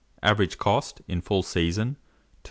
Average cost, in full season, 2s.